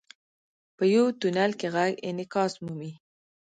• په یو تونل کې ږغ انعکاس مومي.